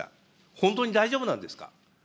本当に大丈夫なんですか。